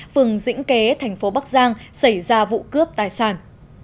phường dĩnh kế tp bắc giang xảy ra vụ cướp tài sản